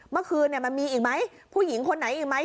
เมื่อคืนมันมีอีกไหมผู้หญิงคนไหนอีกไหม